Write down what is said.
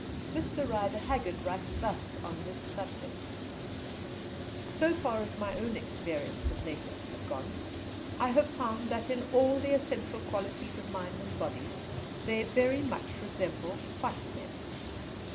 Mr Rider Haggard writes thus on this subject: "So far as my own experience of natives has gone, I have found that in all the essential qualities of mind and body they very much resemble white men.